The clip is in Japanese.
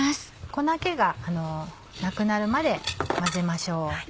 粉気がなくなるまで混ぜましょう。